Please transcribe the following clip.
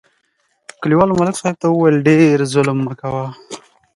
کلیوالو ملک صاحب ته وویل: ډېر ظلم مه کوه.